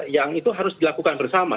yang itu harus dilakukan bersama